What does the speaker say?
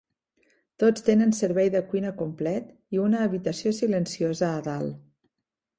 Tots tenen servei de cuina complet i una "habitació silenciosa" a dalt.